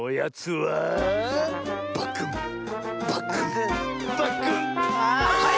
はい！